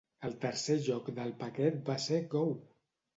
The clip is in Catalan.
El tercer joc del paquet va ser "Go!".